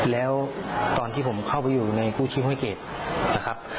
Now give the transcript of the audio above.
แล้วตอนที่ผมเข้าไปอยู่ในกู้ชีพห้วยเกรดนะครับ